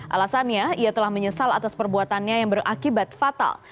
alasannya ia telah menyesal atas perbuatannya yang berakibat fatal